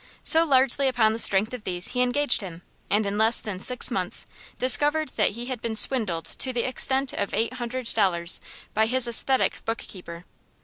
So, largely upon the strength of these, he engaged him, and in less than six months discovered that he had been swindled to the extent of eight hundred dollars by his aesthetic bookkeeper."